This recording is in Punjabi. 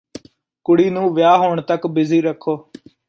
ਕੁੜੀ ਨੂੰ ਵਿਆਹ ਹੋਣ ਤੱਕ ਬਿਜ਼ੀ ਰੱਖੋ